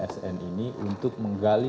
sn ini untuk menggali